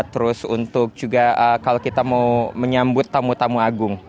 terus untuk juga kalau kita mau menyambut tamu tamu agung